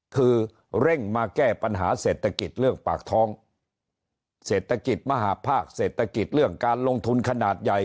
คือเร่งมาแก้ปัญหาเศรษฐกิจเรื่องปากท้องเศรษฐกิจมหาภาคเศรษฐกิจเรื่องการลงทุนขนาดใหญ่